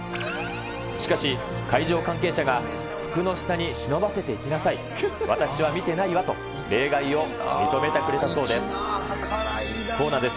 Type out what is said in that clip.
しかし、会場関係者が服の下に忍ばせていきなさい、私は見てないわと、例外を認めてくれたそうです。